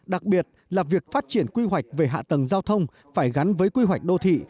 đặc biệt là việc phát triển quy hoạch về hạ tầng giao thông phải gắn với quy hoạch đô thị